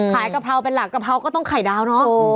กะเพราเป็นหลักกะเพราก็ต้องไข่ดาวเนอะ